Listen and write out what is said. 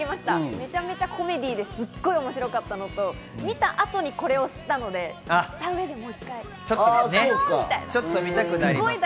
めちゃめちゃコメディーですごい面白かったのと、見た後にこれを知ったので、知った上でもう１回行きたいです。